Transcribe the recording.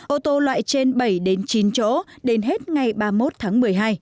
ô tô loại trên bảy chín chỗ đến hết ngày ba mươi một tháng một mươi hai